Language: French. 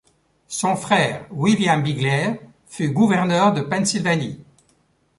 Son frère, William Bigler, fut gouverneur de Pennsylvanie.